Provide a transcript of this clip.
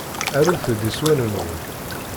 Arut-d iswan-nwen.